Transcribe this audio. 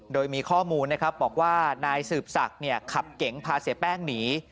โดยมีข้อมูลบอกว่านายสืบสักขับเก๋งพาเสียแป้งหนี